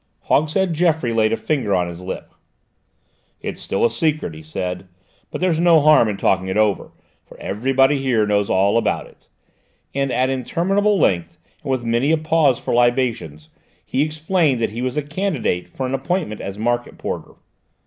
Hogshead Geoffroy laid a finger on his lip. "It's still a secret," he said, "but there's no harm in talking it over, for everybody here knows all about it," and at interminable length, and with many a pause for libations, he explained that he was a candidate for an appointment as Market Porter.